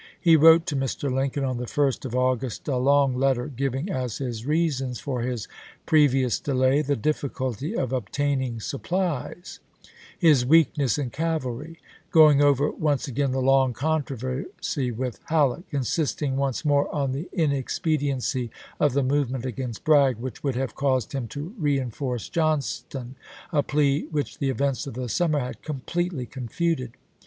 1863. He wrote to Mr. Lincoln, on the 1st of August, a long letter, giving as his reasons for his previous delay, the difficulty of obtaining supplies ; his weak ness in cavalry ; going over once again the long con troversy with Halleck, insisting once more on the inexpediency of the movement against Bragg which would have caused him to reenf orce Johnston, a plea which the events of the summer had completely con futed.